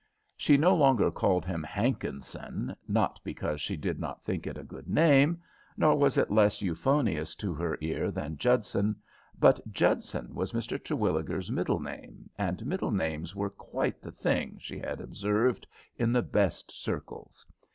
She no longer called him Hankinson, not because she did not think it a good name, nor was it less euphonious to her ear than Judson, but Judson was Mr. Terwilliger's middle name, and middle names were quite the thing, she had observed, in the best circles.